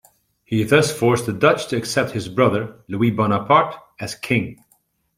He thus forced the Dutch to accept his brother, Louis Bonaparte, as king.